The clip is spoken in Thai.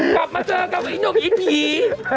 กลับมาเจอกับอีหนุ่มอีผี